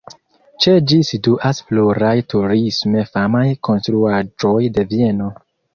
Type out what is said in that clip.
Ĉe ĝi situas pluraj turisme famaj konstruaĵoj de Vieno.